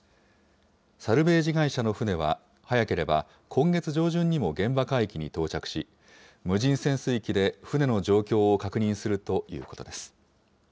サルベージ会社の船は、早ければ今月上旬にも現場海域に到着し、無人潜水機で船の状況を確認するということです。